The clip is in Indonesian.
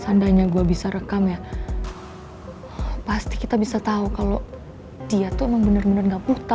sandanya gue bisa rekam ya pasti kita bisa tau kalo dia tuh emang bener bener gak buta